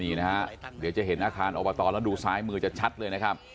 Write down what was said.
นี่นะฮะเดี๋ยวจะเห็นอาคารอบตแล้วดูซ้ายมือจะชัดเลยนะครับ